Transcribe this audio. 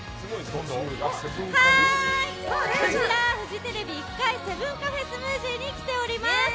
こちら、フジテレビ１階セブンカフェスムージーに来ております！